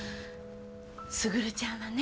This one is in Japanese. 卓ちゃんはね